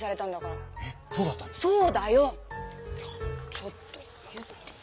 ちょっと言ってよ！